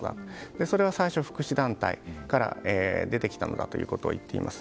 それは最初、福祉団体から出てきたのだということを言っています。